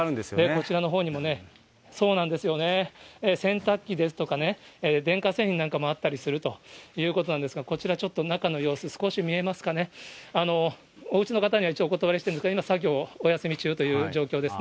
こちらのほうにもね、そうなんですよね、洗濯機ですとか、電化製品なんかもあったりするということなんですけれども、こちらちょっと、中の様子、少し見えますかね、おうちの方には一応、お断りしているんですが、今、作業お休み中という状況です。